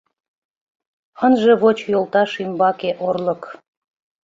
Ынже воч йолташ ӱмбаке орлык